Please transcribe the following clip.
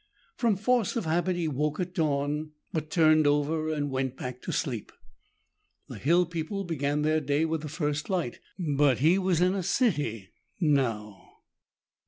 From force of habit he awoke at dawn, but turned over and went back to sleep. The hill people began their day with the first light, but he was in a city now.